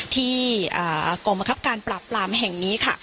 กองบังคับการปราบปรามแห่งนี้ค่ะ